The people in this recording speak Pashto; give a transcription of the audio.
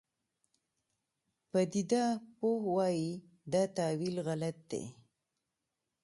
پدیده پوه وایي دا تاویل غلط دی.